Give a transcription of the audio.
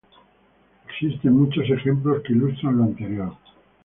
Existen muchos ejemplos que ilustran lo anterior.